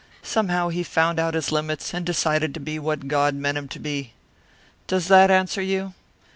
Somehow he found out his limits and decided to be what God meant him to be. Does that answer you?